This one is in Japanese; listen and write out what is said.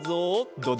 どうだ？